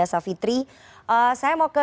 halo mbak putus mbak